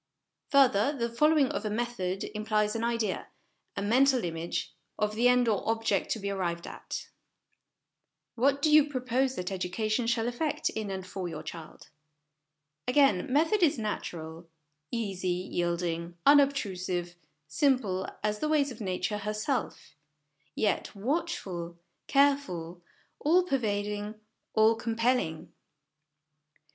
Further, the following of a method implies an idea, a mental image, of the end or object to be arrived at. What do you propose that educa tion shall effect in and for your child? Again, method is natural ; easy, yielding, unobtrusive, simple as the ways of Nature herself; yet, watchful, careful, all pervading, all compelling.